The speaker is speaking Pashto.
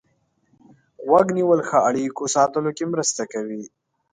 غوږ نیول ښه اړیکو ساتلو کې مرسته کوي.